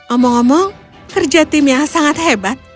omong omong kerja timnya sangat hebat